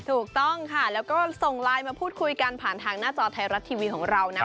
ถูกต้องค่ะแล้วก็ส่งไลน์มาพูดคุยกันผ่านทางหน้าจอไทยรัฐทีวีของเรานะ